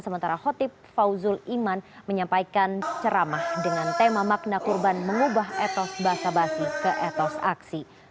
sementara khotib fauzul iman menyampaikan ceramah dengan tema makna kurban mengubah etos basa basi ke etos aksi